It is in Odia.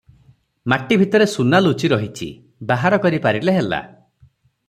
ମାଟିଭିତରେ ସୁନା ଲୁଚି ରହିଚି- ବାହାର କରି ପାରିଲେ ହେଲା ।"